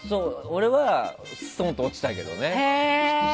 俺は、ストンと落ちたけどね。